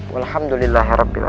kalian sudah siap